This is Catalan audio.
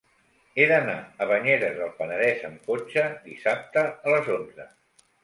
He d'anar a Banyeres del Penedès amb cotxe dissabte a les onze.